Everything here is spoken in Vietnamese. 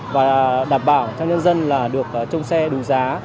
và đảm bảo cho nhân dân được trông xe đủ giá